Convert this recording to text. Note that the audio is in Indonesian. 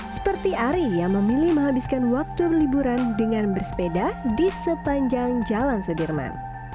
seperti ari yang memilih menghabiskan waktu berliburan dengan bersepeda di sepanjang jalan sudirman